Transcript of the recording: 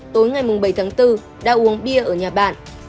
tối ngày bảy tháng bốn đã uống bia ở nhà bạn